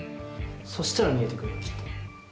そしたら見えてくるよきっと。